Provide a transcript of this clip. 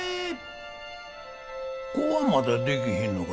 子はまだできひんのか？